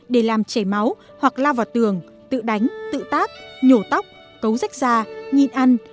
để làm chảy máu hoặc la vào tường tự đánh tự tác nhổ tóc cấu rách da nhịn ăn